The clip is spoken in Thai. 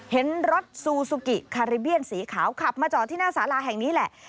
เห็นรถซูซูกิคาริเบียนสีขาวขับมาจอดที่หน้าสาราแห่งนี้แหละ